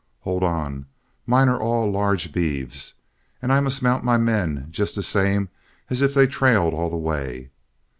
Hold on; mine are all large beeves; and I must mount my men just the same as if they trailed all the way.